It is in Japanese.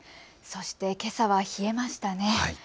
そして、けさは冷えましたね。